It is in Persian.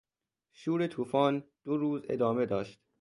شور توفان دو روز ادامه داشت.